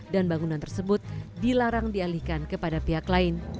dan bangunan tersebut dilarang dialihkan kepada pihak lain